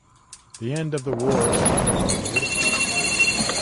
The end of the war saw him in Budapest.